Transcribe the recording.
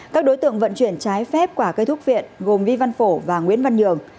các đối tượng vận chuyển trái phép quả cây thúc viện gồm vi văn phổ và nguyễn văn nhường